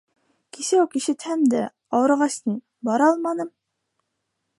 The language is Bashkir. — Кисә үк ишетһәм дә, ауырығас ни, бара алманым.